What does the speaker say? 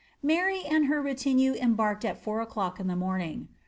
Mary and her retinue embarked at four o'clock in the morning.